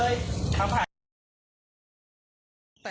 อย่าไหวหล่ะ